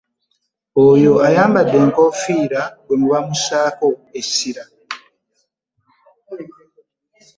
Oyo ayambadde enkofiira gwe muba mussaako essira.